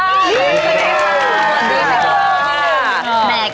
สวัสดีค่ะ